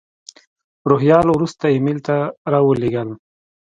روهیال وروسته ایمیل ته را ولېږل.